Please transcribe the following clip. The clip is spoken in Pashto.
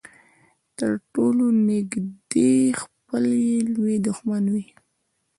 تر ټولو نږدې خپل يې لوی دښمن وي.